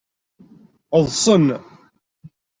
Ḍḍsen.